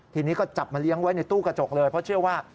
ทีนี้ก็จับมาเลี้ยงไว้ในตู้กระจกเลยเพราะเชื่อว่า